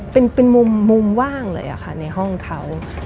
เป็นมุมว่างเลยค่ะในห้องเขา